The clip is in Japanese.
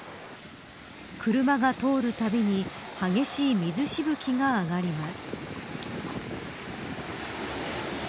車が通るたびに激しい水しぶきが上がります。